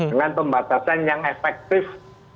dengan pembatasan yang efektif